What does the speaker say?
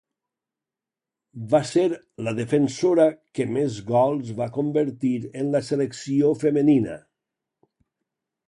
Va ser la defensora que més gols va convertir en la selecció femenina.